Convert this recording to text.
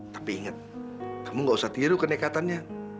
tapi ingat kamu gak usah tiru kenekatannya